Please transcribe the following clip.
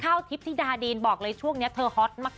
ข้าวทิพย์ที่ดาดีนบอกเลยช่วงนี้เธอฮอตมาก